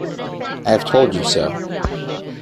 I have told you so.